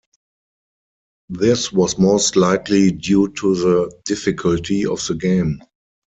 This was most likely due to the difficulty of the game.